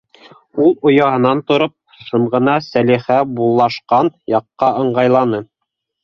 Ул ояһынан тороп шым ғына Сәлихә булашҡан яҡҡа ыңғайланы.